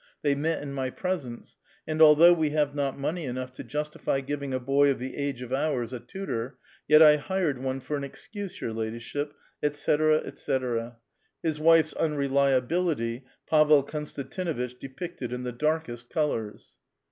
They met in my presence ; and although we have not money enough to justify giving a boy of th(^ age of ours a tutor, yet I hired one for an excuse, your ladyship," etc., etc. His wife's unreliability Pavel Konstantinuitch depicted in the darkest colors.